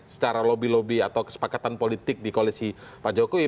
secara lobby lobby atau kesepakatan politik di koalisi pak jokowi